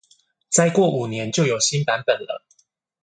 再過五年就有新版本了